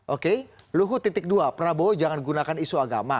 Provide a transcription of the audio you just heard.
oke luhut dua prabowo jangan gunakan isu agama